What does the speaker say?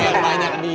yang banyak bi